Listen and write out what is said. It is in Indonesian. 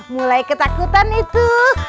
mulai ketakutan itu